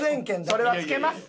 それは付けます！